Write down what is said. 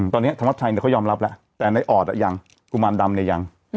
ตอนนี้ธวัดชัยเขายอมรับแล้วแต่ในออดยังกุมารดำเนี่ยยัง